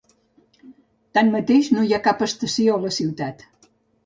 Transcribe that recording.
Tanmateix, no hi ha cap estació a la ciutat.